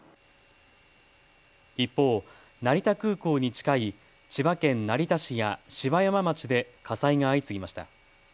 一方、成田空港に近い千葉県成田市や芝山町で火災が相次ぎました。